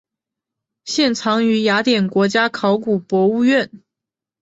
现藏于雅典国家考古博物馆。